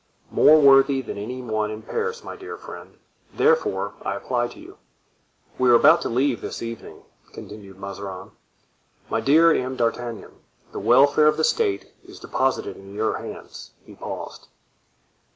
"More worthy than any one in Paris my dear friend; therefore I apply to you. We are about to leave this evening," continued Mazarin. "My dear M. d'Artagnan, the welfare of the state is deposited in your hands." He paused.